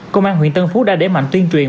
công an huyện tân phú đã đẩy mạnh tuyên truyền